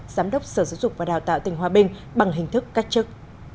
giám đốc sở giáo dục và đào tạo tỉnh hòa bình bằng hình thức cách chức